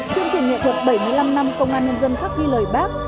chương trình nghệ thuật bảy mươi năm năm công an nhân dân khắc ghi lời bác